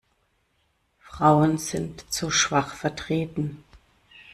Frauen sind zu schwach vertreten.